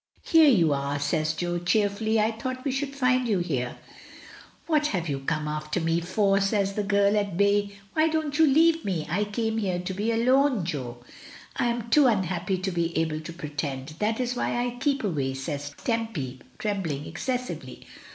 "Here you are!" says Jo, cheerfully. "I thought we should find you here." "What have you come after me for?" says the girl, at bay. "Why won't you leave me? I came here to be alone, Jo. I am too unhappy to be able to pretend, that is why I keep away," says Tempy, trembling excessively.